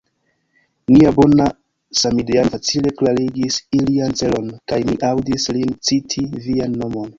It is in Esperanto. Nia bona samideano facile klarigis ilian celon; kaj mi aŭdis lin citi vian nomon.